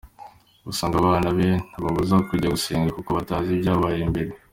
Gusa ngo abana be ntababuza kujya gusenga kuko batazi ibyabaye mbere.